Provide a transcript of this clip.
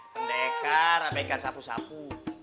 pendekar apa ikan sapu sapu